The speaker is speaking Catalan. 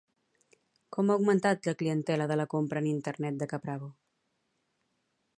Com ha augmentat la clientela de la compra en internet de Caprabo?